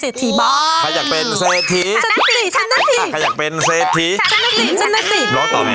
อาทิตย์นี้เปลี่ยนมาเป็นไส้กองอีซานแล้ว